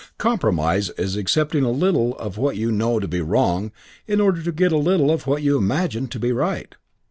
Compromise is accepting a little of what you know to be wrong in order to get a little of what you imagine to be right."